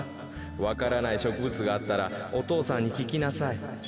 わからないしょくぶつがあったらお父さんにききなさい。